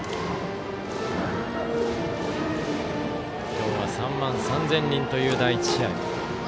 今日は３万３０００人という第１試合。